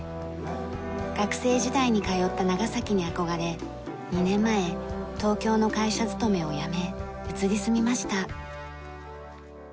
学生時代に通った長崎に憧れ２年前東京の会社勤めを辞め移り住みました。